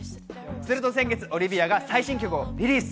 先月オリヴィアが最新曲をリリース。